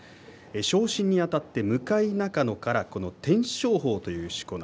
昇進にあたって向中野から天照鵬というしこ名